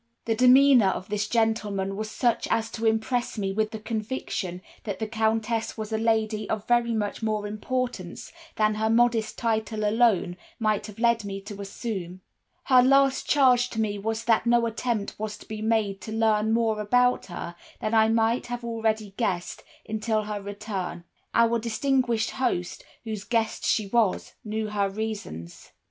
"The demeanor of this gentleman was such as to impress me with the conviction that the Countess was a lady of very much more importance than her modest title alone might have led me to assume. "Her last charge to me was that no attempt was to be made to learn more about her than I might have already guessed, until her return. Our distinguished host, whose guest she was, knew her reasons.